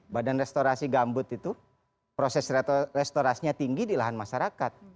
badan restorasi gambut itu proses restorasinya tinggi di lahan masyarakat